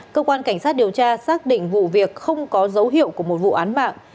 cơ quan cảnh sát điều tra xác định vụ việc không có dấu hiệu của một vụ án mạng